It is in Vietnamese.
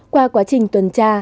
qua quá trình tuần tra